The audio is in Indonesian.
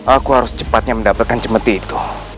aku harus cepatnya mendapatkan cemeti itu